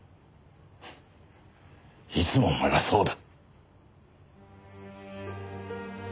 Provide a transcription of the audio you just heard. フッいつもお前はそうだ。